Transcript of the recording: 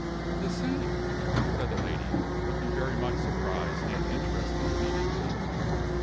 "The same," said the lady, looking very much surprised and interested immediately.